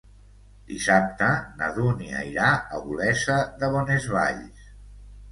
Dissabte na Dúnia irà a Olesa de Bonesvalls.